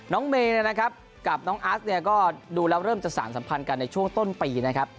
เมย์เนี่ยนะครับกับน้องอัสเนี่ยก็ดูแล้วเริ่มจะสารสัมพันธ์กันในช่วงต้นปีนะครับ